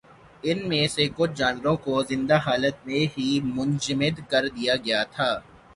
ان میں سے کچھ جانوروں کو زندہ حالت میں ہی منجمد کردیا گیا تھا۔